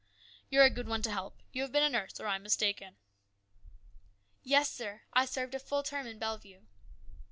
" You're a good one to help. You have been a nurse, or I'm mistaken." " Yes, sir, I served a full term in Bellevue."